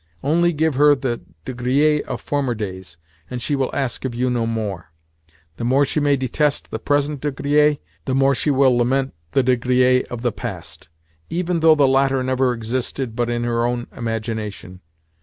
Only give her the De Griers of former days, and she will ask of you no more. The more she may detest the present De Griers, the more will she lament the De Griers of the past—even though the latter never existed but in her own imagination.